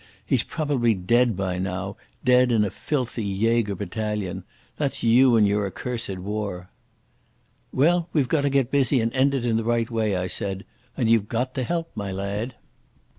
He is probably dead by now, dead in a filthy jaeger battalion. That's you and your accursed war." "Well, we've got to get busy and end it in the right way," I said. "And you've got to help, my lad."